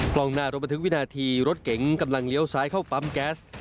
กล้องหน้ารถบันทึกวินาทีรถเก๋งกำลังเลี้ยวซ้ายเข้าปั๊มแก๊ส